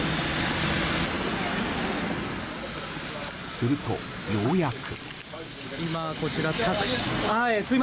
すると、ようやく。